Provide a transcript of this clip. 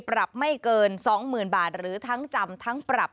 ปรับไม่เกิน๒๐๐๐บาทหรือทั้งจำทั้งปรับ